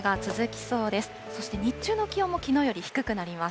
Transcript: そして日中の気温もきのうより低くなります。